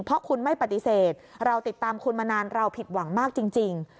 เพราะคุณไม่ปฏิเสธเราติดตามคุณมานานเราผิดหวังมากจริง